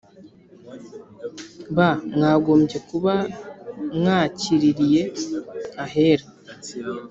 b Mwagombye kuba mwakiririye ahera